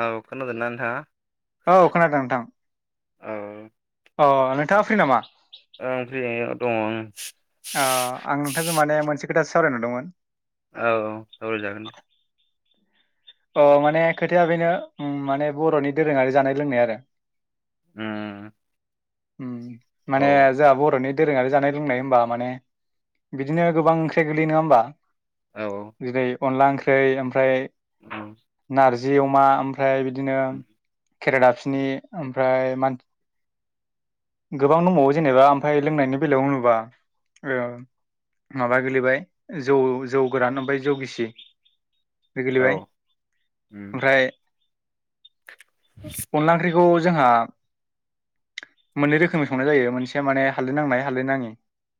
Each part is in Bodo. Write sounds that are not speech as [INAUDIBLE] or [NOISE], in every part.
ओ खानादों ना नोंथाङा औ खोनादों नोंथां औ अ नोंथाङा फ्रि नामा ओं फ्रि दङ उम आ आं नोंथांजों माने मोनसे खोथासो सावराय नंदोंमोन औ औ सावाय जागोन दे अ माने खोथाया बेनो माने बर'नि दोरोङारि जानाय लोंनाय आरो उम औ माने जोंहा बर'नि दोरोङारि जानाय लोंनाय होमबा माने बिदिनो गोबां ओंख्रि गोलैयो नङा होमबा औ जेरै अनला ओंख्रै ओमफ्राय [UNINTELLIGIBLE] नारजि अमा ओमफ्राय बिदिनो उम खेरा दाफिनि ओमफ्राय मान गोबां दंबावो जेनेबा ओमफ्राय लोंनायनि बेलायाव होनोबा औ माबा गोलैबाय जौ जौ गोरान ओमफ्राय जौ गिसि बे औ गोलैबाय ओमफ्राय अनला ओंख्रिखौ जोंहा मोननै रोखोमनि संनाय जायो मोनसे माने हालदै नांनाय हालदै नाङि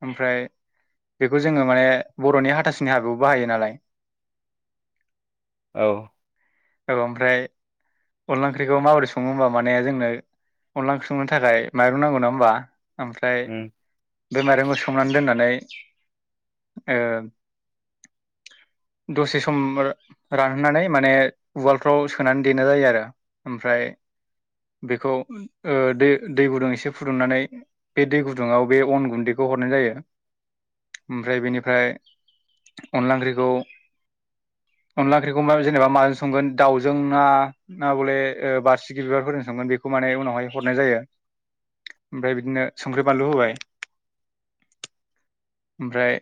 ओमफ्राय बेखौ जोङो माने बर'नि हाथासुनि हाबायाव बाहायो नालाय औ औ ओमफ्राय अनला ओंख्रिखौ माबोरै सङो होमबा माने जोंनो अनला ओंख्रि संनो थाखाय माइरं नांगौ नङा होमबा ओमफ्राय उम बे माइरंखौ सोमनानै दोननानै आ दसे सम रानहोनानै माने उवालफ्राव सोनानै देनाय जायो आरो ओमफ्राय बेखौ दै दै गुदुं एसे फुदुंनानै बे दै गुदुङाव बे अन गुन्दैखौ हरनाय जायो ओमफ्राय बेनिफ्राय अनदला ओंख्रिखौ अनला ओंख्रिखौ म जेनेबा माजों संगोन दाउजों ना ना बले बारसि बिबारफोरजों संगोन बेखौ मे उनावहाय हरनाय जायो ओमफ्राय बिदिनो संख्रि बानलु होबाय ओमफ्राय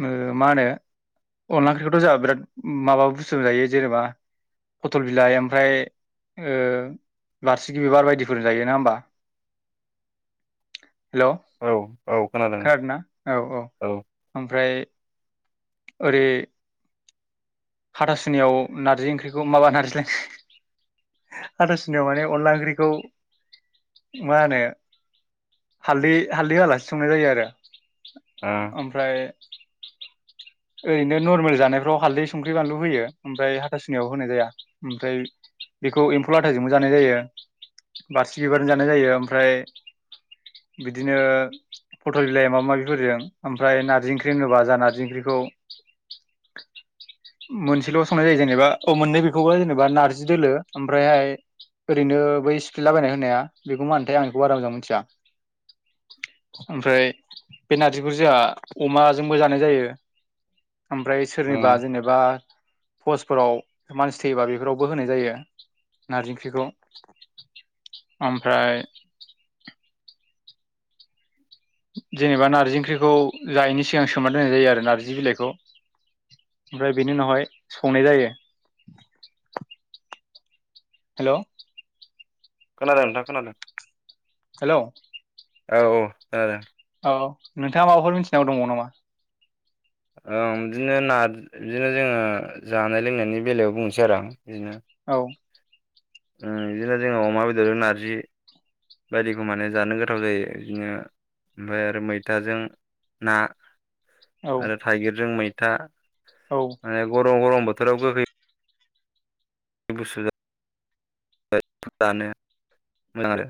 मा होनो अनला ओंख्रिखौथ' जोंहा बिराद माबा बुस्थु जायो जेनेबा पथल बिलाइ ओमफ्राय बारसिखि बिबार बायदिफोर जायो ना होमबा हेल' औ औ खोनादों ना औ औ ओमफ्राय आरो ओै हाथासुनियाव नारजि ओंख्रिखौ माबा नारजिलाय हाथासुनियाव माने अनला ओंख्रिखौ मा होनो हालदै हालदै होआलासे संनाय जायो आरो ओ ओमफ्राय ओरैनो नर्मेल जानायफ्राव हालदै संख्रि बानलु होयो ओमफ्राय हाथासुनियाव होनाय जाया ओमफ्राय बेखौ एम्फौ लाथाजोंबो जानाय जायो बारसि बिबारजों जानाय जायो ओमफ्राय बिदिनो पटल बिलाइ माबा माबिफोरजों ओमफ्राय नारजि ओंख्रि होनोबा जा नारजि ओंख्रिखौ औ मोनसेल' संनाय जायो जेनेबा औ मोननै बेखौबा जेनेबा नारजि दोलो ओमफ्रायहाय ओरैनो बै स्क्रिलाबायनाय होनाया बेखौ मा होनथाय आं बेखौ बारा मोजां मिथिया ओमफ्राय बे नारजिखौ जोंहा अमाजोंबो जानाय जायो ओमफ्राय सोरनिबा जेनेबा पस्टफोराव मानसि थैयोबा बेफोरावबो होनाय जायो नारजि ओंख्रिखौ ओमफ्राय जेनेबा नार्जि ओंख्रिखौ जायैनि सिगां सोमा दोननाय जायो आरो नार्जि बिलाइखौ ओमफ्राय बेनि उनावहाय संनाय जायो हेल' खोनादों नोंथाङा खोनादों हेल' औ औ जादों औ नोंथाङा माबाफोर मिथिनांगौ दङ नामा ओं बिदिनो नारजि बिदिनो जोङो जानाय लोंनायनि बेलायाव बुंनोसै आरो आं बिदिनो औ बिदिनो जोङो अमा बेदर नारजि बायदिखौ माने जानो गोथाव जायो बिदिनो ओमफ्राय आरो मैथाजों ना औ आरो थाइगिरजों मैथा औ माने गरम गरम बोथोराव गोखै बे गुसु दा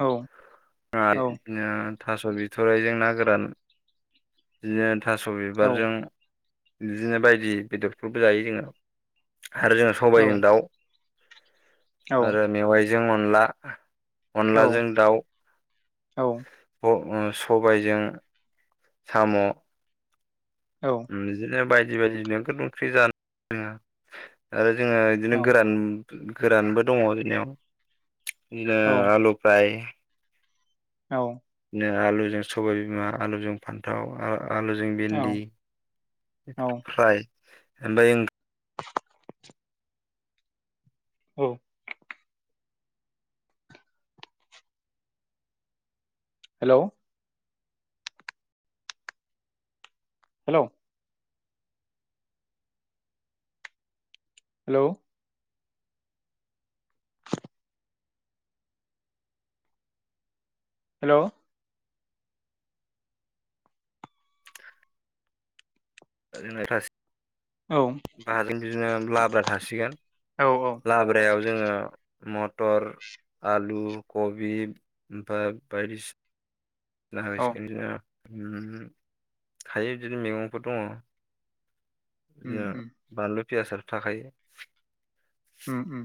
औ आ औ थास' बिथ'राइजों ना गोरान बिदिनो थास' औ बिबारजों बिदिनो बायदि बेदरफोरबो जायो जोङो आरो जोङो औ सबायजों दाउ औ आरो मेवाइजों अनला औ अनलाजों दाउ औ सबायजों साम' बिदिनो बायदि बायदि बेंख ओंख्रि जानो आरो जोङो बिदिनो औ गोरान गोरानबो दङ जोंनियाव बि आलु' फ्राय औ बिदिनो आलुजों सबाय बिमा आलुजों फान्थाव आलुजों औ भिन्दि फ्राय ओमफाय [UNINTELLIGIBLE] औ हेल' हेल' हेलौ हेल' [UNINTELLIGIBLE] [UNINTELLIGIBLE] बिदिनो लाब्रा थासिगोन औ औ लाब्रायाव जोङो मटर आलु कबि ओमफाय बायदिसि औ होसिगोन बिदिनो थायो बिदिनो मैगंफोर दङ उम जाहा उम बानलु पियाजाथ थाखायो उम उम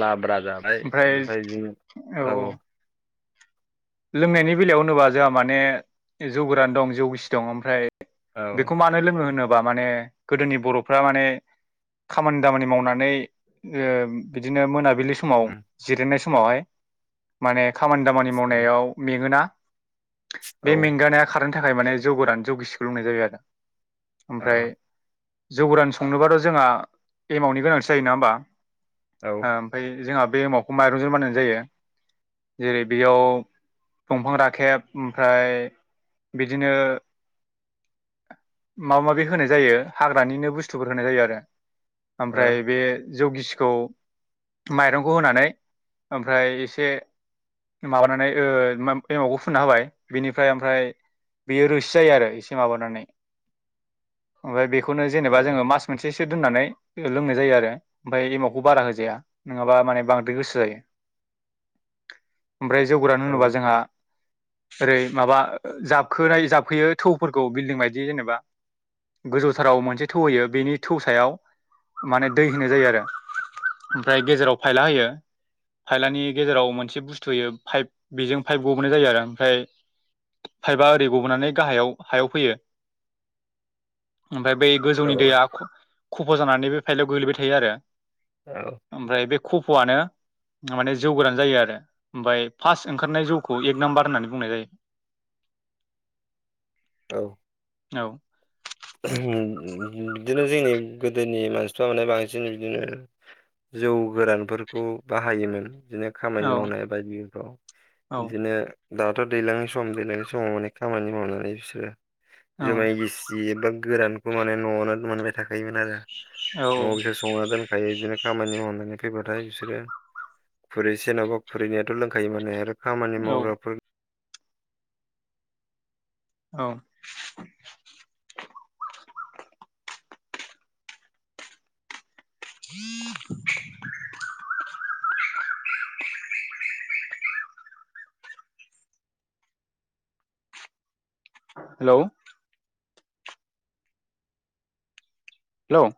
लाब्रा जाबाय ओमफ्राय ओमफाय बिदि औ औ लोंनायनि बेलायाव होनोबा जोंहा माने जौ गोरान दं जौ गिसि दं ओमफ्राय औ बेखौ मानो लोंङो होनोबा माने गोदोनि बर'फ्रा माने खामानि दामानि मावनानै बिदिनो मोनाबिलि लि समाव औ जिरायनाय समावहाय माने खामानि दामानि माव नायाव मेंङोना औ बे मेंगानाया खारहोनो थाखाय माने जौगोरान जौ गिसिखौ लोंनाय जायो आरो ओमफ्राय जौ गोरान संनोबाथ' जोंहा एमावनि गोनांथि जायो न होमबा औ ओमफ्राय जोंहा बे एमावखौ माइरंजों बानायनाय जायो जेरै बेयाव दंफां राखेब ओमफ्राय बिदिनो माबा माबि होनाय जायो हाग्रानिनो बुस्थुफोर होनाय जायो आरो औ ओमफ्राय बे जौ गिसिखौ माइरंखौ होनानै ओमफ्राय एसे माबानानै एमावखौ फुनना होबाय बिनिफ्राय ओमफ्राय बेयो रोसि जायो आरो एसे माबानानै ओमफ्राय बेखौनो औ जेनेबा जोङो मास मोनसेसो दोननानै लोंनाय जायो आरो ओमफ्राय एमावखौ बारा होजाया नङाबा माने बांद्राय गोसा जायो ओमफ्राय जौ गोरान होनोब्ला जोंहा ओरै माबा जाबखोनै जाबखोयो थौफोरखौ बिल्डिं बायदि जेनेबा गोजौथाराव मोनसे थौ होयो बेनि थौ सायाव माने दै होनाय जायो आरो ओमफ्राय गेजेराव फायला होयो फायलानि गेजेराव मोनसे बुस्थु होयो फाइभ बेजों पाइप गबोनाय जायो आरो ओमफ्राय फाइपआ ओरै गबोनानै गाहायाव हायाव फैयो ओमफ्राय बै गोजौनि औ दैया खफ' जानानै बे फाइलायाव गोगलैबाय थायो आरो औ औ ओमफ्राय बे खफ'आनो माने जौगोरान जायो आरो ओमफ्राय फास्ट ओंखारनाय जौखौ एक नाम्बार होननानै बुंनाय जायो औ औ बिदिनो जोंनि गोदोनि मानसिफ्रा माने बांसिन बिदिनो जौ गोरानफोरखौ बाहायोमोन। बिदिनो औ खामानि मावनाय बायदिफ्राव औ बिदिनो दाथ' दैज्लांनि सम दैलांनि समाव अनेक खामानि मावनानै बिसोरो औ जुमाय गिसि बा गोरानखौ माने न'आवनो मोनबाय थाखायोमोन आरो औ न'आव बिसोर संना दोनखायो बिदिनो खामानि मावनानै फैबाथाय बिसोरो खुरै से नङाबा खुरैनैयाथ' लोंखायो माने आरो खामानि औ मावग्राफोर औ [INAUDIBLE] हेलौ। हेल'।